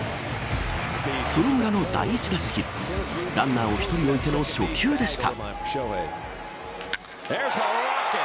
その裏の第１打席ランナーを１人置いての初球でした。